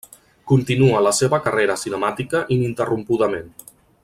Continua la seva carrera cinemàtica ininterrompudament.